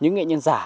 những nghệ nhân giả